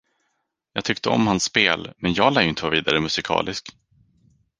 Jag tyckte om hans spel, men jag lär ju inte vara vidare musikalisk.